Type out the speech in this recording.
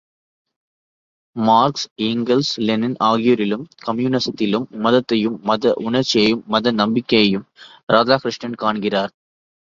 Marks, Engels, Lenin ஆகியோரிலும் கம்யூனிஸத்திலும் மதத்தையும், மத உணர்ச்சியையும், மத நம்பிக்கையையும் ராதாகிருஷ்ணன் காண்கிறார்.